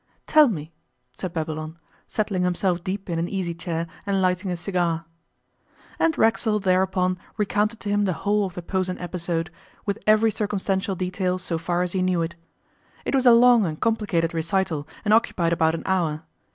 'Tell me,' said Babylon, settling himself deep in an easy chair and lighting a cigar. And Racksole thereupon recounted to him the whole of the Posen episode, with every circumstantial detail so far as he knew it. It was a long and complicated recital, and occupied about an hour.